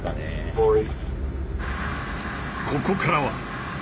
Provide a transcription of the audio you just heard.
はい。